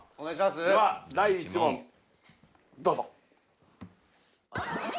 では第１問どうぞ。